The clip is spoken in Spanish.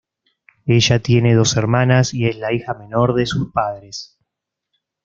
Ella tiene dos hermanas y es la hija menor de sus padres.